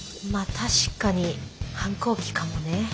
確かに反抗期かもね。